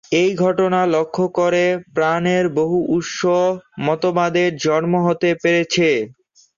এই ঘটনা লক্ষ্য করে প্রাণের বহু-উৎস মতবাদের জন্ম হতে পেরেছে।